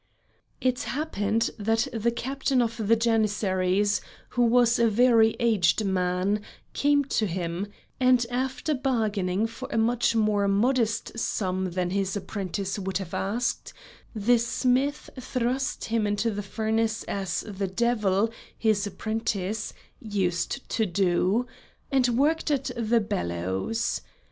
It happened that the captain of the Janissaries, who was a very aged man, came to him, and after bargaining for a much more modest sum than his apprentice would have asked, the smith thrust him into the furnace as the devil, his apprentice, used to do, and worked at the bellows.